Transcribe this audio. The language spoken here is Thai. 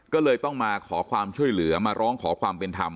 ก็เลยต้องมาขอความช่วยเหลือมาร้องขอความเป็นธรรม